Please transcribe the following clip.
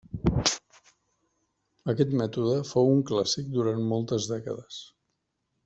Aquest mètode fou un clàssic durant moltes dècades.